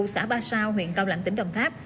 xã ba sao huyện cao lãnh tỉnh đồng tháp